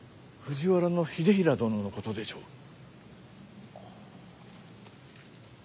藤原秀衡殿のことでしょう。